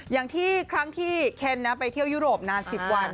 อย่างที่ครั้งที่เคนไปเที่ยวยุโรปนาน๑๐วัน